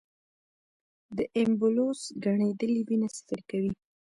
د ایمبولوس ګڼېدلې وینه سفر کوي.